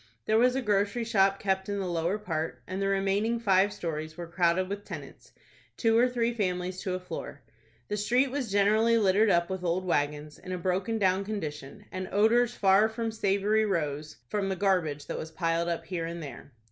There was a grocery shop kept in the lower part, and the remaining five stories were crowded with tenants, two or three families to a floor. The street was generally littered up with old wagons, in a broken down condition, and odors far from savory rose from the garbage that was piled up here and there.